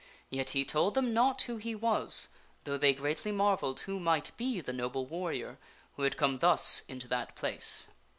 Yet he in l ^ e Valle y f told them not who he was, though they greatly marvelled who might be the noble warrior who had come thus into that place.